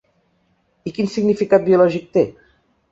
I quin significat biològic té?